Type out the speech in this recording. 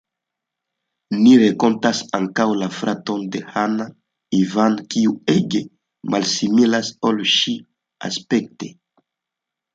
Ni renkontas ankaŭ la fraton de Anna, Ivan, kiu ege malsimilas al ŝi aspekte.